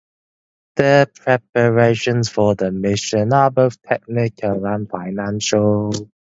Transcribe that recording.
The preparations for the mission are both technical and financial.